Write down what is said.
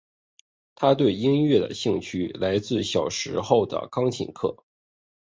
她对音乐的兴趣来自小时候的钢琴课。